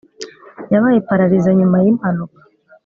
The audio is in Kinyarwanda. yabaye pararize nyuma yi impanuka